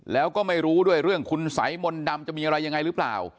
แล้วก็ไม่รู้ด้วยเรื่องคุณสัยมนต์ดำจะมีอะไรยังไงหรือเปล่า